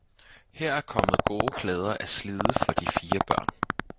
Her er kommet gode klæder at slide for de fire børn!